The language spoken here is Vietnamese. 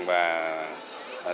và thông tin